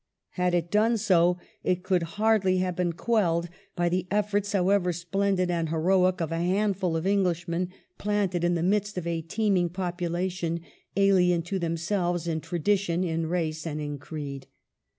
Had it done so it could hardly have been quelled by the efforts, however splendid and heroic, of a handful of Englishmen, planted in the midst of a teeming population, alien to themselves in tradition, in race, and in creed.